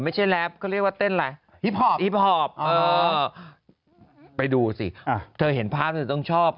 ไม่ใช่แรปก็เรียกว่าเต้นอะไรฮิพพอร์บเออไปดูอาเธอเห็นภาพเธอต้องชอบ